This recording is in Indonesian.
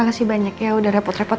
kasih banyak ya udah repot repot